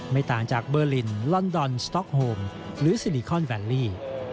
ต่างจากเบอร์ลินลอนดอนสต๊อกโฮมหรือซิลิคอนแวลลี่